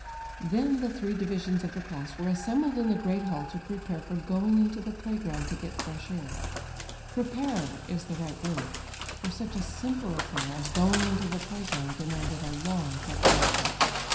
Then the three divisions of the class were assembled in the great hall to prepare for going into the play ground to get fresh air. "Prepare" is the right word for such a simple affair as going into the play ground demanded a long preparation.